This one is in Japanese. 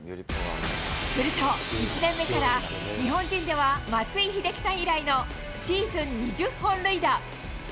すると、１年目から、日本人では松井秀喜さん以来のシーズン２０本塁打。